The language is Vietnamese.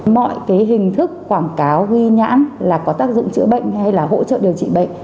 mọi cái hình thức quảng cáo ghi nhãn là có tác dụng chữa bệnh hay là hỗ trợ điều trị bệnh